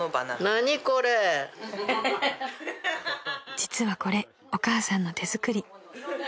［実はこれお母さんの手作り］